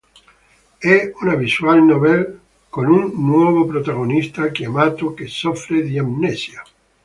È una visual novel con un nuovo protagonista chiamato che soffre di amnesia.